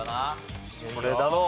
これだろう。